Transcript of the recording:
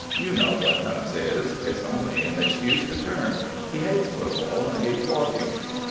"You know what Nubbs is. It's only an excuse to turn. He hates football and hates walking."